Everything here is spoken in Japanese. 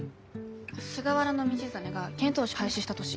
菅原道真が遣唐使廃止した年。